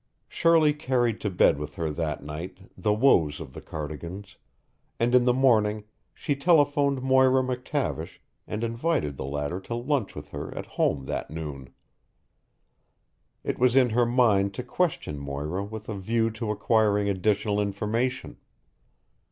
Shirley carried to bed with her that night the woes of the Cardigans, and in the morning she telephoned Moira McTavish and invited the latter to lunch with her at home that noon. It was in her mind to question Moira with a view to acquiring additional information.